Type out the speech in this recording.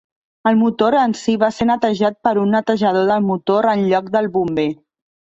El motor en si va ser netejat per un netejador del motor en lloc del bomber.